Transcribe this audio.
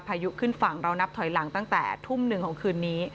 ยุขึ้นฝั่งเรานับถอยหลังตั้งแต่ทุ่มหนึ่งของคืนนี้